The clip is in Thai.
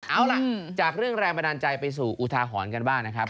เอาล่ะจากเรื่องแรงบันดาลใจไปสู่อุทาหรณ์กันบ้างนะครับ